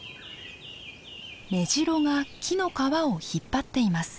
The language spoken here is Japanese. メジロが木の皮を引っ張っています。